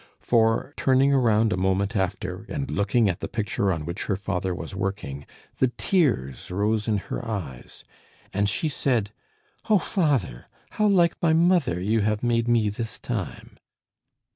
For, turning round a moment after, and looking at the picture on which her father was working, the tears rose in her eyes, and she said: "Oh! father, how like my mother you have made me this time!"